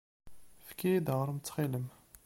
Efk-iyi-d aɣrum ttxil-m.